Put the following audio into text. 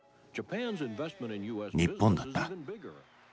日本だった。